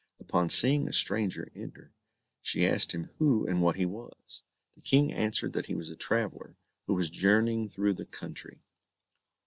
Upon seeing a stranger enter she asked him who and what he was. The King answered that he was a traveller, who was journeying through the country.